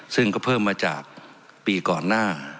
ซึ่งก็เพิ่มมาจากปีก่อนหน้า